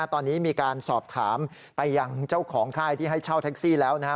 ตอนนี้มีการสอบถามไปยังเจ้าของค่ายที่ให้เช่าแท็กซี่แล้วนะฮะ